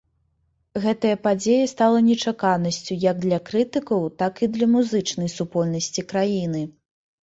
Гэтая падзея стала нечаканасцю як для крытыкаў, так і для музычнай супольнасці краіны.